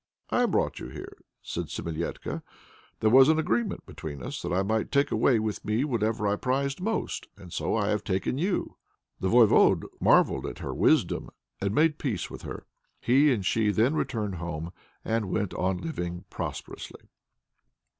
"'I brought you,' said Semilétka; 'there was an agreement between us that I might take away with me whatever I prized most. And so I have taken you!' "The Voyvode marvelled at her wisdom, and made peace with her. He and she then returned home and went on living prosperously."